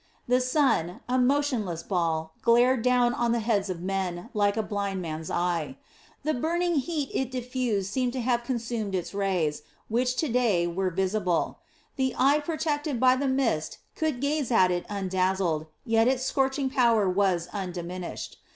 The sun, a motionless ball, glared down on the heads of men like a blind man's eye. The burning heat it diffused seemed to have consumed its rays, which to day were invisible. The eye protected by the mist could gaze at it undazzled, yet its scorching power was undiminished.